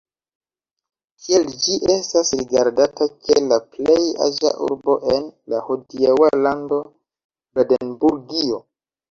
Tiel ĝi estas rigardata kiel la plej aĝa urbo en la hodiaŭa lando Brandenburgio.